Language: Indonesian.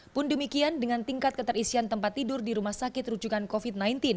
pun demikian dengan tingkat keterisian tempat tidur di rumah sakit rujukan covid sembilan belas